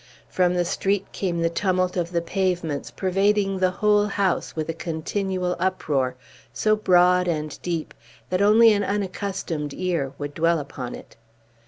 From the street came the tumult of the pavements, pervading the whole house with a continual uproar, so broad and deep that only an unaccustomed ear would dwell upon it.